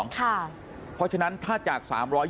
เพราะฉะนั้นถ้าจาก๓๒